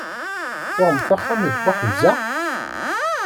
Tuɣemt axxam deg Buḥemza?